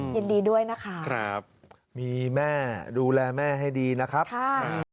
ยินดีด้วยนะคะครับมีแม่ดูแลแม่ให้ดีนะครับค่ะ